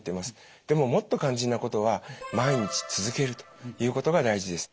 でももっと肝心なことは毎日続けるということが大事です。